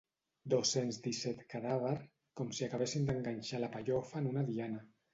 Dos-cents disset cadàver, com si acabessin d'enganxar la pellofa en una diana.